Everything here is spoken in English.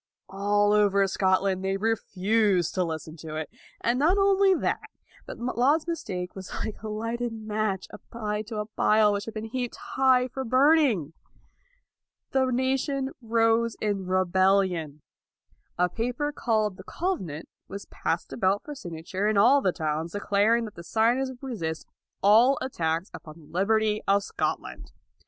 All over Scotland, they refused to listen to it. And not only that, but Laud's mistake was like a lighted match applied to a pile which had been heaped high for burning. The LAUD 229 nation rose in rebellion. A paper called the Covenant was passed about for signa ture in all the towns, declaring that the signers would resist all attacks upon the liberty of Scotland.